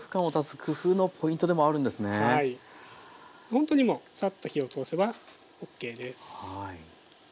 ほんとにもうサッと火を通せばＯＫです。